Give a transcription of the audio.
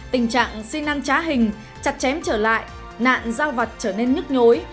tình trạng xin ăn trá hình chặt chém trở lại nạn giao vặt trở nên nhức nhối